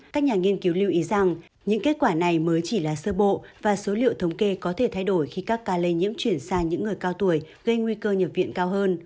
các nhà nghiên cứu lưu ý rằng những kết quả này mới chỉ là sơ bộ và số liệu thống kê có thể thay đổi khi các ca lây nhiễm chuyển sang những người cao tuổi gây nguy cơ nhập viện cao hơn